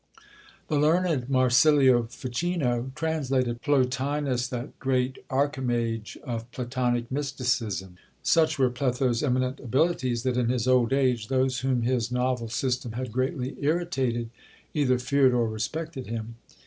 The learned Marsilio Ficino translated Plotinus, that great archimage of platonic mysticism. Such were Pletho's eminent abilities, that in his old age those whom his novel system had greatly irritated either feared or respected him.